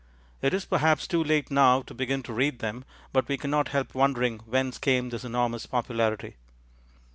It is perhaps too late now to begin to read them, but we cannot help wondering whence came his enormous popularity.